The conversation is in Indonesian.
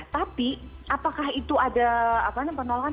tapi apakah itu ada penolakan